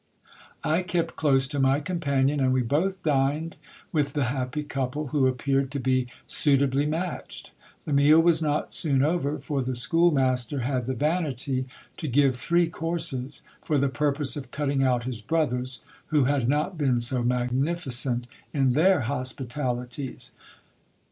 I kept close to my companion, and we both dined with the happy couple, who appeared to be suitably matched. The meal was not soon over, for the schoolmaster had the vanity to give three courses, for the purpose of cutting out his brothers, who had not been so mag nificent in their hospitalities.